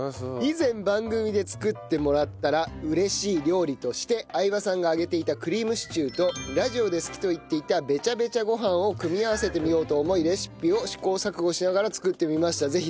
以前番組で作ってもらったら嬉しい料理として相葉さんが挙げていたクリームシチューとラジオで好きと言っていたべちゃべちゃご飯を組み合わせてみようと思いレシピを試行錯誤しながら作ってみました。